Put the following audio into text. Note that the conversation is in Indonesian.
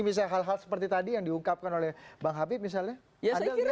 misalnya hal hal seperti tadi yang diungkapkan oleh bang habib misalnya